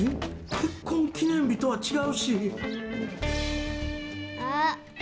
結婚記念日とは違うし。